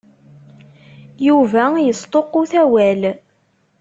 Yuba yesṭuqut awal.